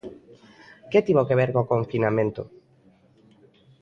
Que tivo que ver co confinamento?